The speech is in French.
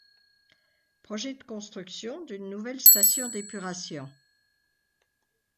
Projet de construction d’une nouvelle station d’épuration.